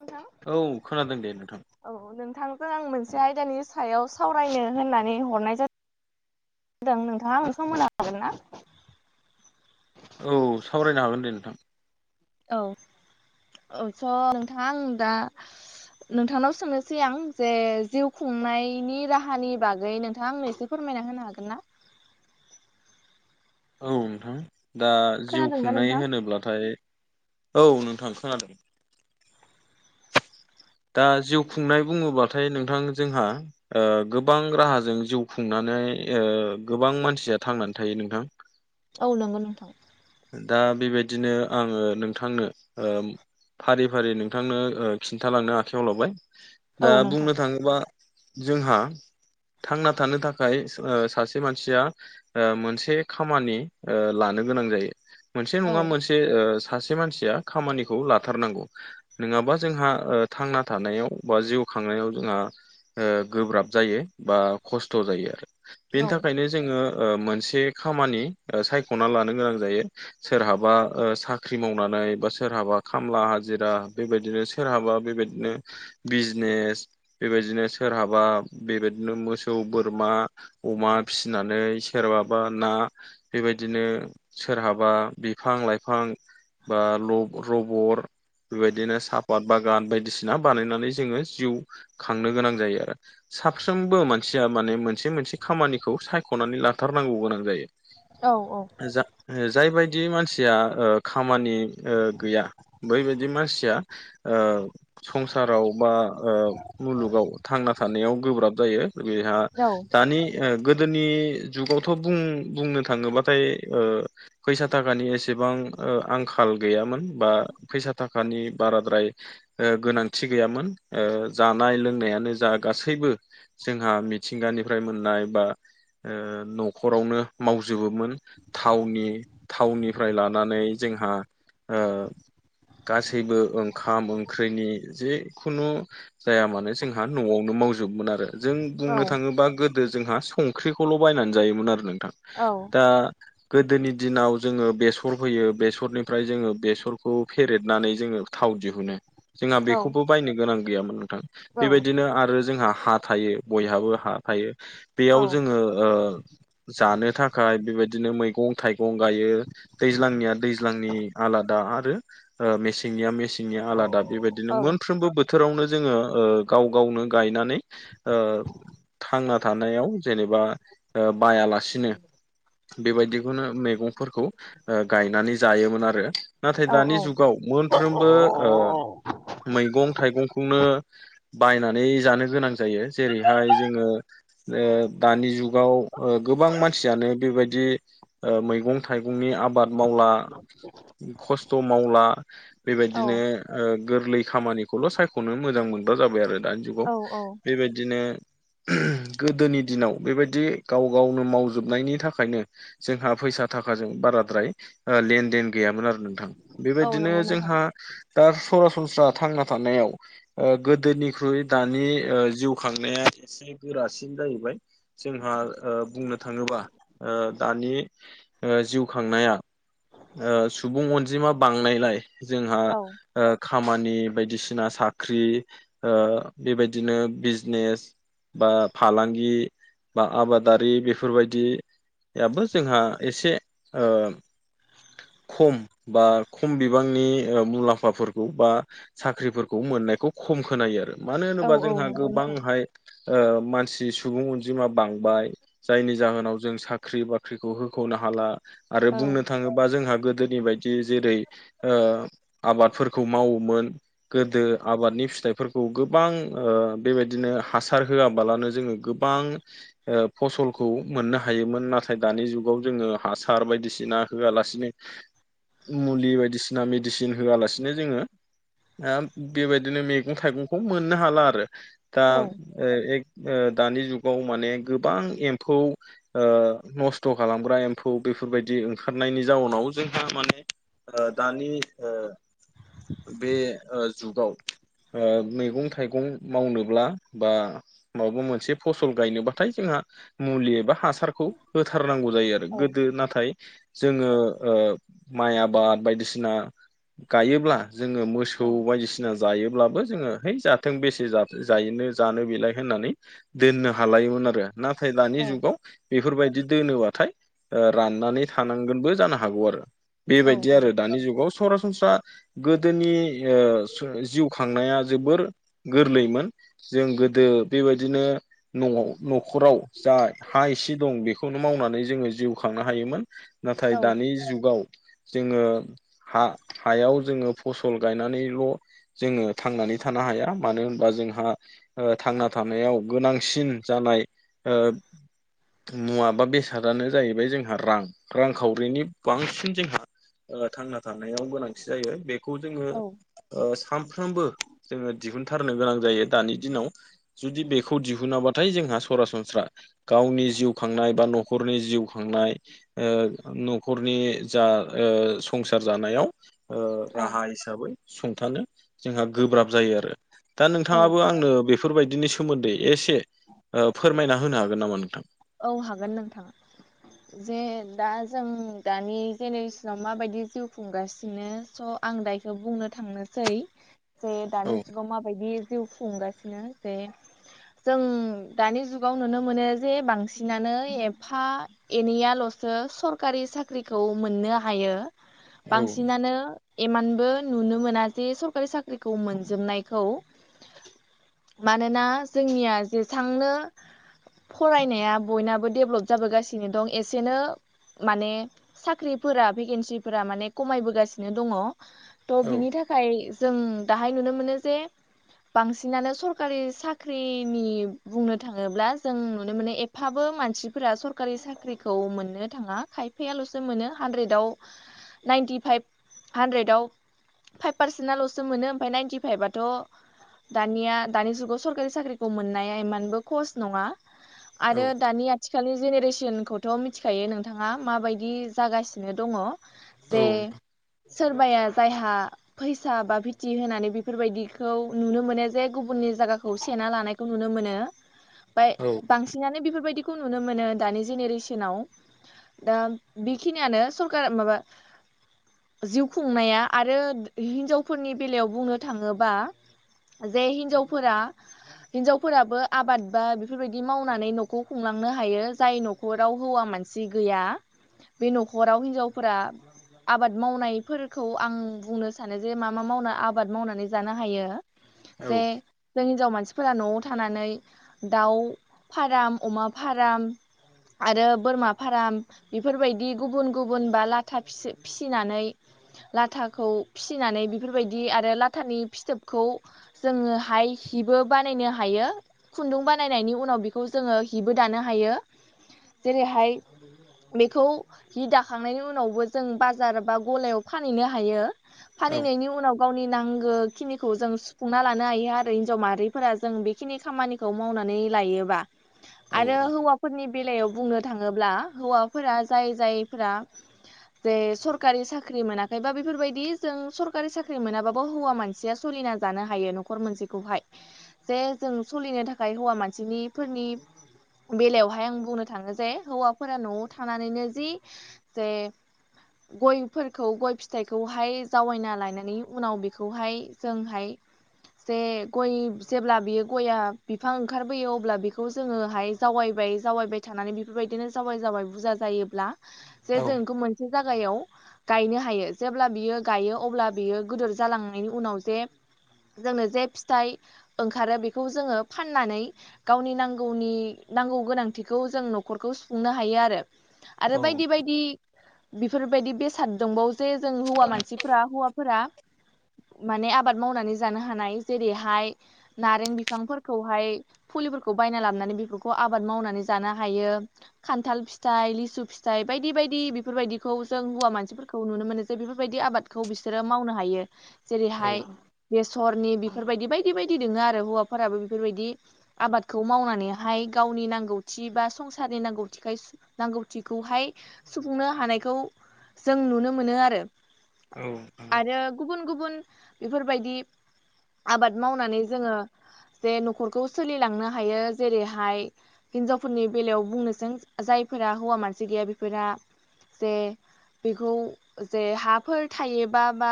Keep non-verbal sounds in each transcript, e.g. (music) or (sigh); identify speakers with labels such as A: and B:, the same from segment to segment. A: नोंथां
B: औ खोनादों दे नोंथां।
A: औ, नोंथांखौ आं मोनसे आयदानि सायाव सावरायनो होननानै हरनाय जादों। (unintelligible) नोंथाङा हम होनो हागोन ना?
B: औ सावरायनो हागोन दे नोंथां।
A: औ औ स' नोंथाङा आं दा नोंथांनाव सोंनोसै आं जे जिउ खुंनायनि राहानि बागै नोंथां (unintelligible) फोरमायना होनो हागोन ना?
B: औ नोंथां दा जिउ
A: खोनादोंना
B: खुंनाय
A: नोंथां?
B: होनोब्लाथाय औ नोंथां खोनादों। दा जिउ खुंनाय बुङोब्लाथाय नोंथां जोंहा ओ गोबां राहाजों जिउ खुंनानै ओ गोबां मानसिया थांनानै थायो नोंथां।
A: औ नंगौ नोंथां।
B: दा बेबायदिनो आङो नोंथांनो ओ फारि -फारि नोंथांनो खिन्थालांनो आखायाव लाबाय।
A: औ
B: दा
A: नोंथां
B: बुंनो थाङोबा जोंहा थांना थानो थाखाय सासे मानसिया मोनसे खामानि ओ लानो गोनां जायो। मोनसे
A: औ
B: नङा मोनसे सासे मानसिया खामानिखौ लाथारनांगौ। नङाबा जोंहा ओ थांना थानायाव बा जिउ खांनायाव जोंहा ओ गोब्राब जायो बा खस्थ' जायो आरो। बेनि
A: औ
B: थाखायनो जोङो ओ मोनसे खामानि सायख'ना लानो गोनां जायो। सोरहाबा ओ साख्रि मावनानै बा सोरहाबा खामला हाजिरा बेबायदिनो सोरहाबा बेबायदिनो बिजनेस बेबायदिनो सोरहाबा बेबायदिनो मोसौ, बोरमा अमा फिनानै सोरबाबा ना बेबायदिनो सोरहाबा बा बिफां- लाइफां बा लब- रबर बेबायदिनो सापात बागान बायदिसिना बानायनानै जोङो जिउ खांनो गोनां जायो आरो। साफ्रोमबो मानसिया माने मोनसे- मोनसे खामानिखौ सायख'नानै लाथारनांगौ गोनां जायो।
A: औ औ।
B: (unintelligible) जायबायायदि मानसिया ओ खामानि ओ गैया बैबायदि मानसिया ओ संसाराव बा ओ मुलुगाव थांना थानायाव गोब्राब जायो। बेहा
A: औ
B: दानि गोदोनि जुगावथ' बुं -बुंनो थाङोब्लाथाय ओ फैसा थाखानि एसेबां आंखाल गैयामोन बा फैसा थाखा (unintelligible) बाराद्राय गोनांथि गैयामोन। ओ जानाय लोंनायानो जा गासैबो जोंहा मिथिंगानिफ्राय मोननाय बा- ओ न'खरावनो मावजोबोमोन। थावनि थाउननिफ्राय लानानै जोंहा गासैबो ओंखाम ओंख्रिनि जेखुनु जाया मानो जोंहा न'आवनो मावजोबमोन आरो जों
A: औ
B: बुंनो थाङोबा गोदो जोंहा संख्रिखौल' बायनानै जायोमोन आरो नोंथां
A: औ
B: दा गोदोनि दिनाव जोङो बेसर फैयो बेसरनिफ्राय जोङो बेसरखौ फेरेदनानै जोङो थाव दिहुनो। जोंहा बेखौबो बायनो गोनां गैयामोन नोंथां। बेबायदिनो आरो जोंहा हा थायो बयहाबो हा थायो
A: औ
B: बेयाव जोङो ओ जानो थाखाय बेबायदिनो मैगं -थाइगं (unintelligible) गायो दैज्लांनिया दैज्लांनि आलादा आरो मेसेंनिया मेसें नि आलादा बेबायदिनो मोनफ्रोमबो बोथोर बोथोरावनो जोङो गाव गावनो गायनानै थांना थानायाव जेनेबा बायालासिनो बेबायदिखौनो म मैगंफोरखौ गायनानै जायोमोन आरो नाथाय दानि जुगाव मोनफ्रोमबो मैगं थाइगंखौनो बायनानै जानो गोनां जायो जेरैहाय जोङो दानि जुगाव गोबां मानसियानो बेबायदि मैगं मैगं थाइगंनि आबाद मावला खस्थ' मावला बेबायदिनो गोरलै खामानिखौल' सायख'नो मोजां मोनग्रा जाबाय आरो दानि जुगाव
A: औ औ
B: बेबायदिनो गोदोनि दिनाव बेबायदि गाव गावनो मावजोबनायनि थाखायनो जोंहा फैसा थाखाजों बाराद्राय लेन देन गैयामोन आरो नोंथां
A: औ
B: बेबायदिनो
A: नंगौ नोंथां
B: जोंहा दा सरासनस्रा थांना थानायाव गोदोनिख्रुइ दानि जिउ खांनाया से गोरासिन जाहैबाय जोंहा बुंनो थाङोबा दानि जिउ खांनाया सुबुं अनजिमा बांनायलाय जोंहा
A: औ
B: खामानि बायदिसिना साख्रि बेबायदिनो बिजनेस बा फालांगि बा आबादारि बेफोरबायदियाबो जोंहा एसे ओ खम बा खम बिबांनि मुलाम्फाफोरखौ बा साख्रिफोरखौ मोननायखौ खम खोनायो आरो मानो
A: औ
B: होनोबा
A: औ
B: जोंहा
A: नंगौ नोंथां
B: गोबांहाय मानसि सुबुं अनजिमा बांबाय जायनि जाहोनाव जों साख्रि बाख्रिखौ हो नो हाला आरो
A: औ
B: बुंनो थाङो बा जोंहा गोदोनि बायदि जेरै आबादफोरखौ मावोमोन गोदो आबादनि फिथाइफोरखौ गोबां बेबायदिनो हासार होआबालानो जोङो गोबां फसलखौ मोननो हायोमोन नाथाय दानि जु गाव जोङो हासार बायदिसिना होआलासिनो मुलि बायदिसिना मेडिसिन होआलासिनो जोङो ह बेबायदिनो मैगं थाइगंखौ मोननो हाला आरो दा
A: औ
B: दानि जुगाव माने गोबां एम्फौ न नस्थ' खालामग्रा एम्फौ बेफोरबायदि ओंखारनायनि जाउनाव जोंहा माने दानि बे जुगाव मैगं थाइगं मावनोब्ला बा मबा मोनसे फसल गायनोबाथाय जोंहा मुलि एबा हासारखौ हो होथारनांगौ जायो आरो
A: औ
B: गोदो नाथाय जोङो माइ आबाद बायदिसिना गायोब्ला जोङो मोसौ
A: औ
B: बायदिसिना बायसिना जायोब्लाबो जोङो हैै जाथों बेसे ज जानो बेलाय होननानै दोननो हालायोमोन आरो नाथाय दानि जुगाव बेफोरबायदि दोनोबाथाय ओ राननानै थानांगोनबो जानो हागौ आरो
A: औ
B: बेबायदि
A: औ
B: आरो दानि जुगाव सरासनस्रा गोदोनि ओ जिउ खांनाया जोबोर गोरलैमोन जों गोदो बेबायदिनो न'आव न'खराव जा हा एसे दं बे खौनो मावनानै जोलांङो जिउ खांनो हायोमोन नाथाय
A: औ
B: दानि जुगाव जोङो हा हायाव जोङो फसल गायनानैल' जोङो थांनानै थानो हाया मानो होनबा जोंहा ओ थांना थानायाव गोनांसिन जानाय ओ मुवा बेसादानो जाहैबाय जोंहा रां रांखावरिनि बांसिन जोंहा थांना थानायाव गोनांथि जायो बेखौ जोङो
A: औ
B: ओ सानफ्रोमबो जोङो दिहुनथारनो गोनां जायो दानि दिनाव जुदि बेखौ दिहुनाबाथाय जोंहा सरासनस्रा गावनि जिउ खांनाय बा न'खरनि जिउ खांनाय ओ न'खरनि जा ओ संसार जानायाव ओ
A: औ
B: राहा हिसाबै सुंथानो जोंहा गोब्राब जायो आरो दा नोंथाङाबो
A: औ
B: आंनो बेफोरबायदिनि सोमोन्दै एसे ओ फोरमायना होनो हागोन नामा नोंथां
A: औ हागोन नोंथां जे दा जों दानि जेनेरेसनाव माबायदि जिउ खुंगासिनो स' आं दा इखो बुंनो थांनोसै जे
B: औ
A: दानि जुगाव माबायदि जिउ खुंगासिनो जे जों दानि जुगाव नुनो मोनो जे बां सिनानो एफा-एनैयाल'सो सरकारि साख्रिखौ मोननो हायो
B: औ
A: बांसिनानो एमानबो नुनो मोना जे सरखारि साख्रिखौ मोनजोबनायखौ मानोना जोंनिया जेसांनो फरायनाया बयनाबो देभलब जाबोगासिनो दं एसेनो माने साख्रिफोरा भेकेन्सिफोरा माने ख'मायबोगासिनो दङ थ'
B: औ
A: बिनि थाखाय जों दाहाय नुनो मोनो जे बांसिनानो सरकारि साख्रिनि बुंनो थाङोब्ला जों नुनो मोनो ए फाबो मानसिफोरा सरकारि साख्रिखौ मोननो थाङा खायफायाल'सो मोनो हानद्रेदाव नाइनटि फाइभ हानद्रेदाव फाइभ पारसेन्टल'सो मोनो ओमफाय नाइनटिफाइबाथ' दानिया दानि जुगाव सरकारि साख्रिखौ मोननाया इमानबो कस नङा
B: औ
A: आरो दानिया आथिखालनि जेनेरेसनखौथ' मिथिखायो नोंथाङा माबायदि जागासिनो दङ
B: औ
A: जे सोरबाया जायहा फैसा बा भिथि होनानै बेफोरबायदिखौ नुनो मोनो जे गुबुननि जागाखौ सेना लानायखौ नुनो मोनो
B: (inaudible)
A: फाय बांसिनानो बेफोरबायदिखौ नुनो मोनो दानि जेनेरेसनाव दा बेखिनियानो सरकारा माबा जिउ खुंनाया आरो हिनजावफोरनि बेलायाव बुंनो थाङोबा जे हिनजावफोरा हिनजावफोराबो आबाद बा बेफोरबाय दि मावनानै न'खौ खुंलांनो हायो जाय न'खराव हौवा मानसि गैया बे न'खराव हिनजावफोरा आबाद मावनायफोरखौ आं बुंनो सानो जे मा-मा मावना आबाद मावनानै जानो हायो
B: औ
A: जे जों हिनजाव मानसिफोरा न'आव थानानै दाउ फाराम अमा फाराम आरो बोरमा फाराम बेफोरबायदि गुबुन-गुबुन बा लाथा फिसि फिसिनानै लाथाखौ फिसिनानै बेफोरबायदि आरो लाथानि फिथोबखौ जोङोहाय हिबो बानायनो हायो खुन्दुं बानायनायनि उनाव बेखौ जोङो हिबो दानो हायो जेरैहाय बेखौ हि दाखांनायनि उनावबो जों बाजार बा ग'लायाव फानहैनो हायो।
B: औ
A: फानिनायनि उनाव गावनि नांगो बेखिनिखौ जों सुफुंना लानो हायो आरो हिनजाव माहारिफोरा जों बेखिनि खामानिखौ मावनानै लायो आरो हौवा फोरनि बेलायाव बुंनो थाङोब्ला हौवाफोरा जाय जायफोरा जे सरकारि साख्रि मोनाखैबा बेफोरबायदि जों सरकारि साख्रि मोनाबाबो हौवा मानसि सिया सोलिना जानो हायो न'खर मोनसेखौहाय जे जों सोलिनो थाखाय हौवा मानसिनि फोरनि बेलायावहाय आं बुंनो थाङो जे हौवाफोरा न'आव थानानैनो जि जे गयफोरखौ गय फिथाइखौहाय जावायना लानानै उनाव बेखौहाय जोंहाय जे गय जेब्ला बियो गया बिफां ओंखारबोयो अब्ला बे बेखौ जोङोहाय जावायबाय जावायबाय थानानै बेफोरबायदिनो जावाय जावाय बुरजा जायोब्ला जे
B: औ
A: जोंखौ बेखौ मोनसे जायागायाव गायनो हायो जेब्ला बियो गायो अब्ला बियो गोदोर जालांनायनि उनाव जे जोंनो जे फिथाइ ओंखारो बेखौ जोङो फाननानै गावनि नांगौ नांगौनि नांगौ गोनांथिखौ जों न'खरखौ सुफुंनो हायो आरो आरो बायदि बायदि बेफोरबायदि बेसाद दंबावो जे जों हौवा मानसिफोरा हौवाफोरा माने आबाद मावनानै जानो हानाय जेरैहाय नारें बिफांफोरखौहाय फुलिफोर बे खौ बायना लाबोनानै बेफोरखौ आबाद मावनानै जानो हायो खान्थाल फिथाइ लिसु फिथाइ बायदि बायदि बेफोरबायदिखौ जों हौवा मानसिफोरखौ नुनो मोनो जे बेफोरबायदि आबादखौ बिसोरो मावनो हायो जेरैहाय सरनि बेफोरबायदि बायदि बायदि दोङो आरो हौवाफोराबो बेफोरबायदि आबाद खौ मावनानैहाय गावनि नांगौथि बा संसारनि नांगौथिखाय नांगौथिखौहाय सुफुंनो हानायखौ जों नुनो मोनो आरो।
B: औ
A: आरो गुबुन गुबुन बेफोरबायदि आबाद मावनानै जोङो जे न'खरखौ सोलिलांनो हायो जेरैहाय हिनजावफोरनि बेलायाव बुंनोसै जायफोरा हौवा मानसि गैया बेफोरा जे बेखौ जे हाफोर थायोबा बा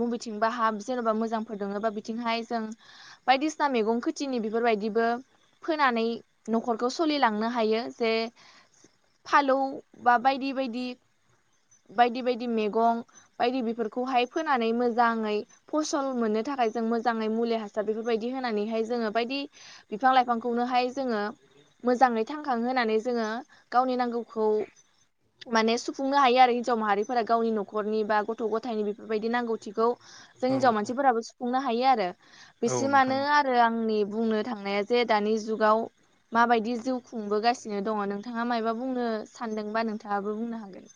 A: मुबिथिंबा हा जेन'बा मोजांफोर दोबा बिथिंहाय जों बायदिसिना मैगं खोथिनि बेफोरबायदिबो फोनानै न'खरखौ सोलिलांनो हायो जे फालौ बा बायदि बायदि बायदि बायदि मेगं बायदि बेफोरखौहाय फोनानै मोजाङै फसल मोननो थाखाय जों मोजाङै मुलि हासार बेफोरबायदि होनानैहाय जोङो बायदि बिफां लाइफांखौनोहाय जोङो मोजाङै थांखां होनोनानै जोङो गावनि नांगौखौ माने सुफुंनो हायो आरो हिन्जाव माहारिफोरा गावनि न'खरनि बा गथ' गथायनि बेफोरबायदि नांगौथिखौ जों
B: औ
A: हिनजाव
B: औ
A: मानसिफोराबो सुफुंनो हायो आरो
B: औ नोंथां
A: बिसिमानो आरो आंनि बुंनो थांनाया जे दानि जुगाव माबायदि जिउ खुंबोगासिनो दङ नोंथाङा मायबा बुंनो सानदोंबा नोंथाङाबो बुंनो हागोन।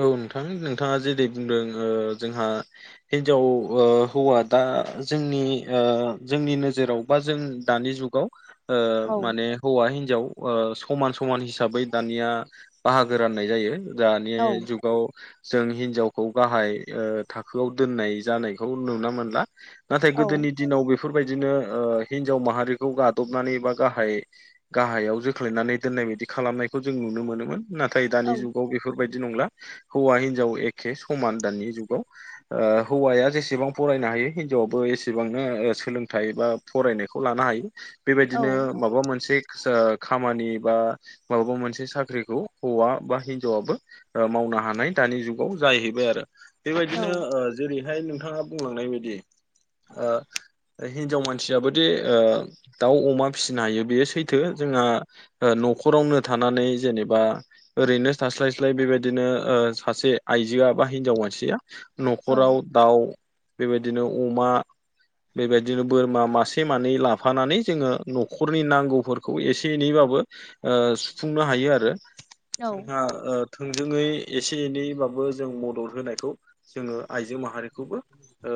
B: औ नोंथां नोंथाङा जेरै बुंदों जोंहा हिनजाव हौवा दा जोंनि जोंनि नोजोराव बा जों दानि जुग गाल
A: औ
B: ओ माने हौवा हिन्जाव समान समान हिसाबै दानिया बाहागो राननाय जायो दानि
A: औ
B: जुगाव जों हिनजावखौ गाहाय थाखोआव दोननाय जानायखौ नुनो मोनला नाथाय
A: औ
B: गोदोनि दिनाव बेफोरबायदिनो हिनजाव माहारिखौ गादबनानै बा गाहाय गाहायाव जोख्लायनानै दोननाय बायदि खालामनायखौ जों नुनो मोनोमोन नाथाय
A: औ
B: दानि जुगाव बेफोरबायदि नंला हौवा हिनजाव एखे समान दानि जुगाव हौवाया जेसेबां फरायनो हायो हिनजावआबो एसेबांनो सोलोंथाइ बा फरायनायखौ लानो हायो बेबायदिनो
A: औ
B: माबा मोनसे खामानि बा माबाबा मोनसे साख्रिखौ हौवा बा हिनजावाबो मावनो हानाय दानि जुगाव जाहैबाय आरो। बेबायदिनो
A: औ
B: जेरैहाय नोंथाङा बुंलांनाय बायदि ओ हिनजाव मानसियाबो दि ओ दाउ अमा फिसिनो हायो बेयो सैथो। जोंहा न'खरावनो थानानै जेनेबा ओरैनो थास्लाय स्लाय बेबायदि बिदिनो सासे आइजोआ बा हिनजाव मानसिया न'खराव
A: औ
B: दाउ बेबायदिनो अमा बेबायदिनो बोरमा मासे मानै लाफानानै जोङो न'खरनि नांगौफोरखौ एसे एनैबाबो सुफुंनो हायो आरो
A: औ
B: जोंहा थोंजोङै एसे एनैबाबो जों मदद होनायखौ जोङो आइजो माहारिखौबो ओ